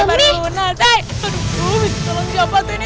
mana teh tolong siapa tuh ini